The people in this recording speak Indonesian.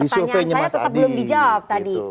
pertanyaan saya tetap belum dijawab tadi